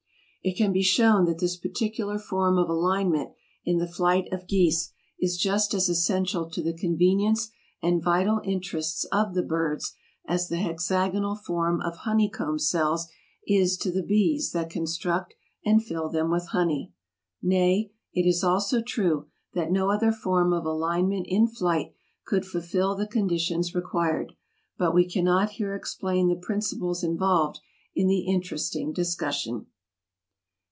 It can be shown that this particular form of alignment in the flight of geese is just as essential to the convenience and vital interests of the birds as the hexagonal form of honeycomb cells is to the bees that construct and fill them with honey. Nay, it is also true that no other form of alignment in flight could fulfill the conditions required; but we cannot here explain the principles involved in the interesting discussion.